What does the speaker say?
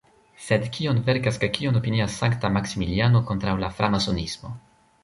Sed kion verkas kaj kion opinias sankta Maksimiliano kontraŭ la Framasonismo?